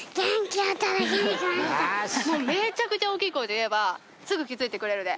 めちゃくちゃ大きい声で言えばすぐ気付いてくれるで。